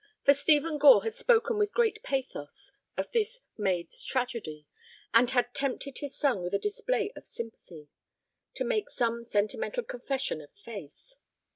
For Stephen Gore had spoken with great pathos of this "maid's tragedy," and had tempted his son with a display of sympathy to make some sentimental confession of faith.